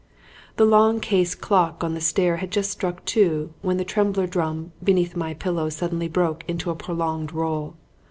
"The long case clock on the stair had just struck two when the trembler drum beneath my pillow suddenly broke into a prolonged roll.